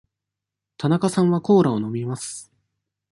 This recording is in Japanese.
田中さんはコーラを飲みます。